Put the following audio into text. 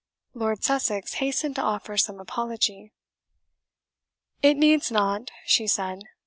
Lord Sussex hastened to offer some apology. "It needs not," she said.